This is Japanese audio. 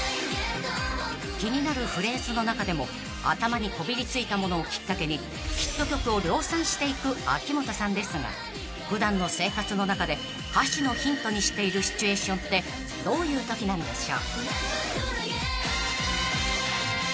［気になるフレーズの中でも頭にこびりついたものをきっかけにヒット曲を量産していく秋元さんですが普段の生活の中で歌詞のヒントにしているシチュエーションってどういうときなんでしょう？］